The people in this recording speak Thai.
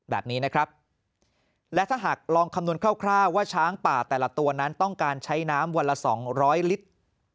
แบบนี้นะครับและถ้าหากลองคำนวณคร่าวว่าช้างป่าแต่ละตัวนั้นต้องการใช้น้ำวันละสองร้อยลิตร